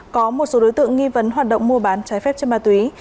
có một số đối tượng nghi vấn hoạt động mua bán trái phép trên ma túy